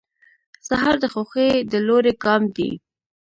سهار د خوښۍ د لوري ګام دی.